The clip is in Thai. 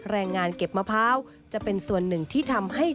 แรงงานเก็บมะพร้าวจะเป็นส่วนหนึ่งที่ทำให้